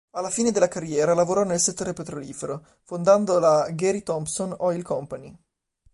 Alla fine della carriera lavorò nel settore petrolifero, fondando la "Gary Thompson Oil Company".